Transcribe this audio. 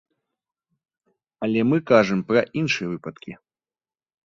Але мы кажам пра іншыя выпадкі.